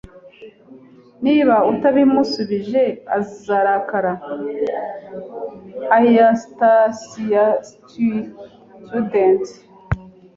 Niba utabimusubije, azarakara! eastasiastudent